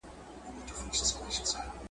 هر ډول څېړنه د موضوع تحلیل ته اړتیا لري.